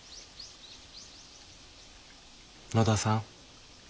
野田さん。